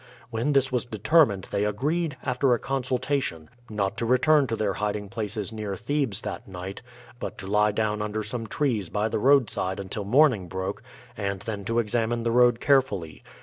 When this was determined they agreed, after a consultation, not to return to their hiding places near Thebes that night, but to lie down under some trees by the roadside until morning broke, and then to examine the road carefully.